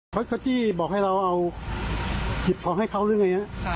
เขาก็จี้บอกให้เราเอาหยิบของให้เขาหรือไง